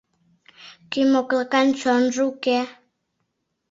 Кӱ моклакан чонжо уке